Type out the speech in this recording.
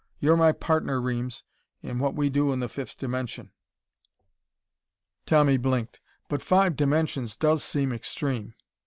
You're my partner, Reames, in what we do in the fifth dimension." Tommy blinked. "But five dimensions does seem extreme...."